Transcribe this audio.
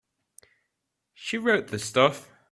She wrote the stuff.